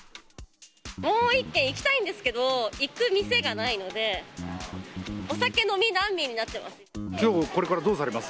もう１軒行きたいんですけど、行く店がないので、お酒飲み難民になっちゃってます。